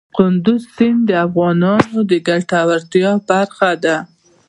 کندز سیند د افغانانو د ګټورتیا برخه ده.